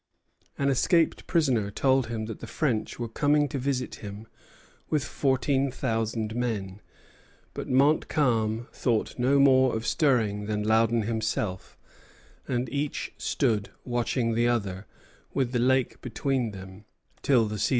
An escaped prisoner told him that the French were coming to visit him with fourteen thousand men; but Montcalm thought no more of stirring than Loudon himself; and each stood watching the other, with the lake between them, till the season closed.